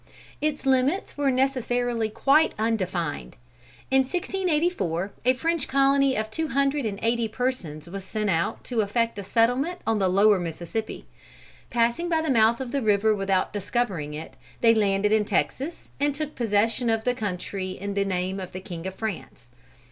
Its limits were necessarily quite undefined. In 1684, a French colony of two hundred and eighty persons was sent out to effect a settlement on the Lower Mississippi. Passing by the mouth of the river without discovering it, they landed in Texas, and took possession of the country in the name of the king of France.